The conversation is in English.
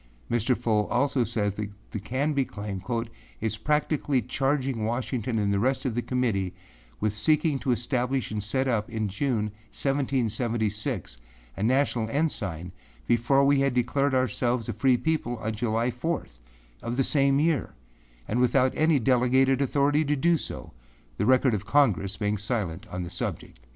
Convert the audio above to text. â Mr. Fow also says that the Canby claim âis practically charging Washington and the rest of the Committee with seeking to establish and set up in June, 1776, a national ensign before we had declared ourselves a free people on July 4, of the same year, and without any delegated authority to do so, the record of Congress being silent on the subject.